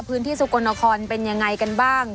พื้นที่สโกนฆอนเป็นยังไงกันบ้าง